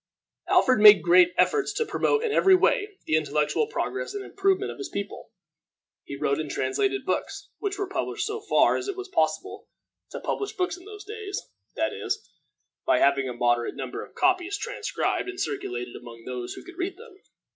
Alfred made great efforts to promote in every way the intellectual progress and improvement of his people. He wrote and translated books, which were published so far as it was possible to publish books in those days, that is, by having a moderate number of copies transcribed and circulated among those who could read them.